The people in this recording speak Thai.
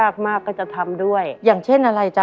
มากก็จะทำด้วยอย่างเช่นอะไรจ๊ะ